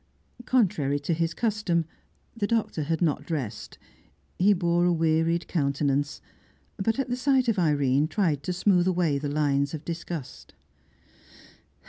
Contrary to his custom, the Doctor had not dressed. He bore a wearied countenance, but at the sight of Irene tried to smooth away the lines of disgust.